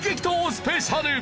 スペシャル！